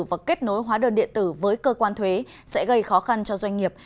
và kết nối hóa đơn điện tử với cơ quan thuế sẽ gây khó khăn cho doanh nghiệp